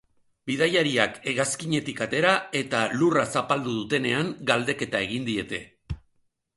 Bidaiariak hegazkinetik atera eta lurra zapaldu dutenean galdeketa egin diete.